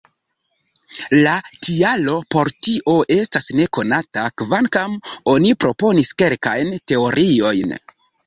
La tialo por tio estas nekonata, kvankam oni proponis kelkajn teoriojn.